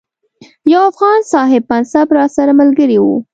یو افغان صاحب منصب راسره ملګری وو.